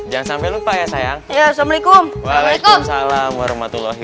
jangan sampai lupa ya sayang assalamualaikum waalaikumsalam warahmatullahi